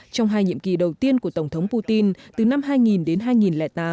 trong hai nhiệm kỳ đầu tiên của tổng thống putin từ năm hai nghìn đến hai nghìn tám